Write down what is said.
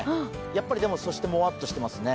やっぱり、そしてもわっとしてますね。